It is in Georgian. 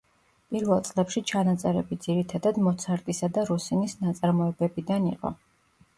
პირველ წლებში ჩანაწერები ძირითადად მოცარტისა და როსინის ნაწარმოებებიდან იყო.